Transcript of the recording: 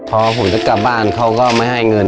พอผมจะกลับบ้านเขาก็ไม่ให้เงิน